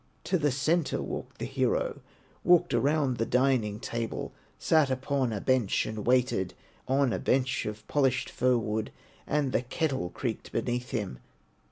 To the centre walked the hero, Walked around the dining table, Sat upon a bench and waited, On a bench of polished fir wood, And the kettle creaked beneath him.